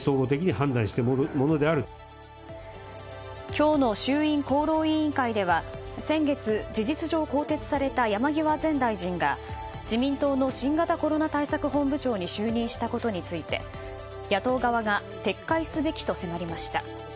今日の衆院厚労委員会では山際前大臣が自民党の新型コロナ対策本部長に就任したことについて野党側が撤回すべきと迫りました。